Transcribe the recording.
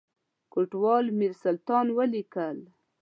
کوټوال میرسلطان ولیکل.